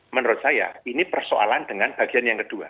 menurut saya ini persoalan dengan bagian yang kedua